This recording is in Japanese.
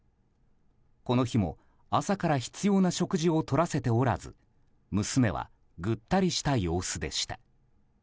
この日も朝から必要な食事をとらせておらず娘はぐったりした様子でした。